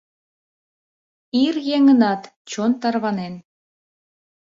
Ир еҥынат чон тарванен —